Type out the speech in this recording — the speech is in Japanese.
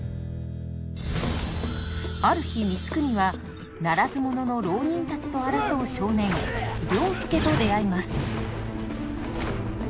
ある日光圀はならず者の浪人たちと争う少年了助と出会います。